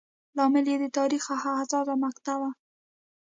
لامل یې د تاریخ هغه حساسه مقطعه وه.